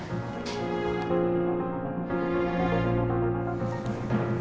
mungkin kali ya